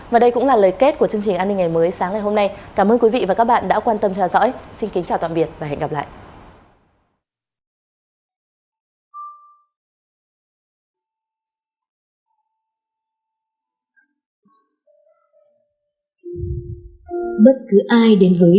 và đây cũng là lời kết của chương trình an ninh ngày mới sáng ngày hôm nay cảm ơn quý vị và các bạn đã quan tâm theo dõi xin kính chào tạm biệt và hẹn gặp lại